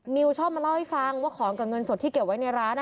มิวชอบมาเล่าให้ฟังว่าของกับเงินสดที่เก็บไว้ในร้าน